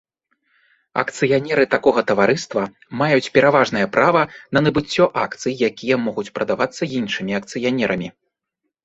Акцыянеры такога таварыства маюць пераважнае права на набыццё акцый, якія могуць прадавацца іншымі акцыянерамі.